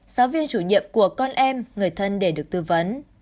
giáo viên chủ nhiệm của con em người thân để được tư vấn